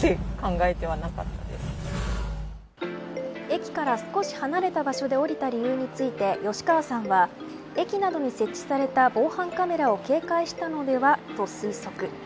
駅から少し離れた場所で降りた理由について吉川さんは駅などに設置された防犯カメラを警戒したのではと推測。